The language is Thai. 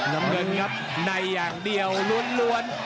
น้ำเงินครับในอย่างเดียวล้วน